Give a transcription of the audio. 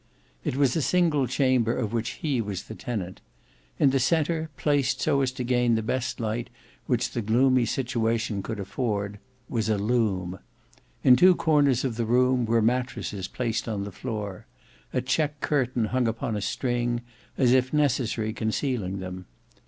It was a single chamber of which he was the tenant. In the centre, placed so as to gain the best light which the gloomy situation could afford, was a loom. In two corners of the room were mattresses placed on the floor, a check curtain hung upon a string if necessary concealing them.